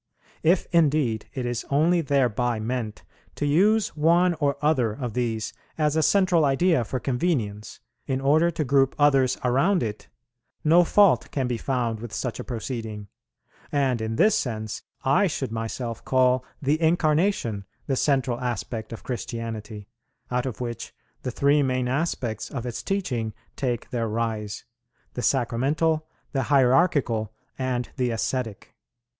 If, indeed, it is only thereby meant to use one or other of these as a central idea for convenience, in order to group others around it, no fault can be found with such a proceeding: and in this sense I should myself call the Incarnation the central aspect of Christianity, out of which the three main aspects of its teaching take their rise, the sacramental, the hierarchical, and the ascetic.